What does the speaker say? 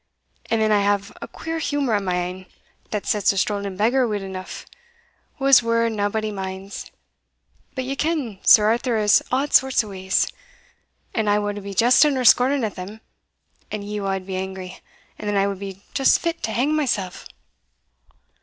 And then I have a queer humour o' my ain, that sets a strolling beggar weel eneugh, whase word naebody minds but ye ken Sir Arthur has odd sort o' ways and I wad be jesting or scorning at them and ye wad be angry, and then I wad be just fit to hang mysell."